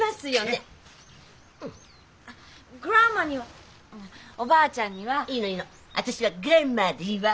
グランマにはあおばあちゃんには。いいのいいの私はグランマでいいわ。